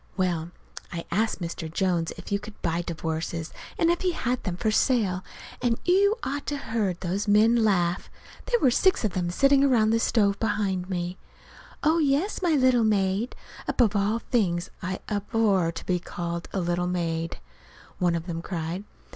Well, I asked Mr. Jones if you could buy divorces, and if he had them for sale; and you ought to have heard those men laugh. There were six of them sitting around the stove behind me. "Oh, yes, my little maid" (above all things I abhor to be called a little maid!) one of them cried.